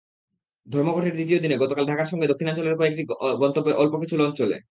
ধর্মঘটের দ্বিতীয় দিনে গতকাল ঢাকার সঙ্গে দক্ষিণাঞ্চলের কয়েকটি গন্তব্যের অল্প কিছু লঞ্চ চলে।